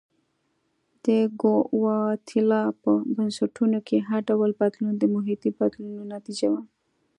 د ګواتیلا په بنسټونو کې هر ډول بدلون د محیطي بدلونونو نتیجه وه.